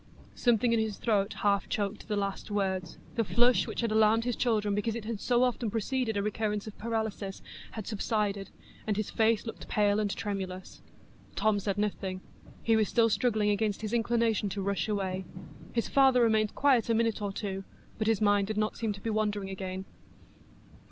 Something in his throat half choked the last words; the flush, which had alarmed his children because it had so often preceded a recurrence of paralysis, had subsided, and his face looked pale and tremulous. Tom said nothing; he was still struggling against his inclination to rush away. His father remained quiet a minute or two, but his mind did not seem to be wandering again.